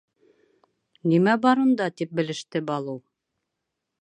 — Нимә бар унда? — тип белеште Балу.